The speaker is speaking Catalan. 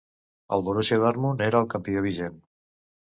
El Borussia Dortmund era el campió vigent.